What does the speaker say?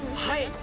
はい。